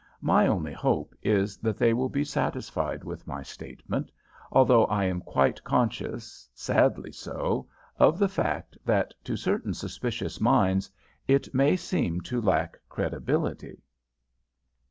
My only hope is that they will be satisfied with my statement, although I am quite conscious, sadly so, of the fact that to certain suspicious minds it may seem to lack credibility.